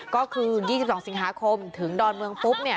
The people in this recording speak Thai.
ก็คือ๒๒สิงหาคมถึงดอนเมืองปุ๊บเนี่ย